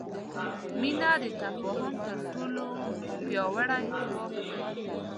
مینه د تفاهم تر ټولو پیاوړی ځواک دی.